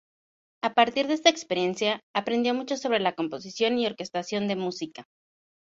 A partir de esta experiencia aprendió mucho sobre composición y orquestación de música.